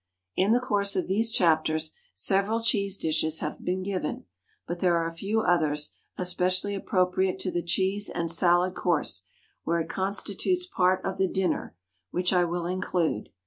In the course of these chapters several cheese dishes have been given, but there are a few others especially appropriate to the cheese and salad course, where it constitutes part of the dinner, which I will include.